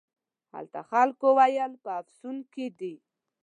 هلته خلکو ویل په افسون کې دی.